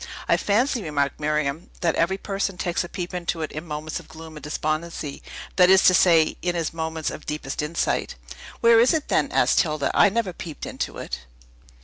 "I fancy," remarked Miriam, "that every person takes a peep into it in moments of gloom and despondency; that is to say, in his moments of deepest insight." "Where is it, then?" asked Hilda. "I never peeped into it."